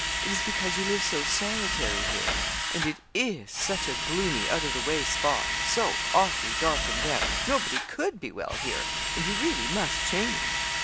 It is because you live so solitary here, and it is such a gloomy out o' the way spot so awfully dark and damp, nobody could be well here, and you really must change.